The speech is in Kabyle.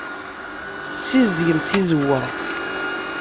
Ssizedgemt tizewwa.